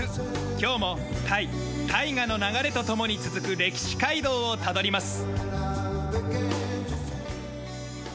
今日もタイ大河の流れと共に続く歴史街道をたどります。